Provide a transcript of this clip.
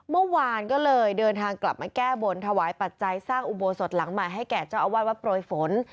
เมื่อวานก็เลยเดินทางกลับมาแก้บนถวายปัจจัยสร้างอุโบสถหลังใหม่ให้แก่เจ้าอาวาสวัดโปรยฝน